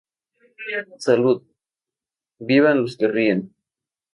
Salud: "¡Vivan los que ríen!